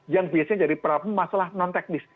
yang biasanya jadi masalah non teknis